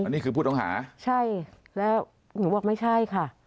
อันนี้คือพุทธองหาใช่แล้วหนูบอกไม่ใช่ค่ะ